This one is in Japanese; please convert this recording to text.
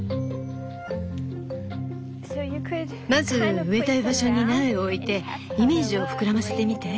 まず植えたい場所に苗を置いてイメージを膨らませてみて。